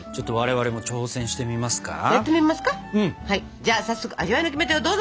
じゃあ早速味わいのキメテをどうぞ！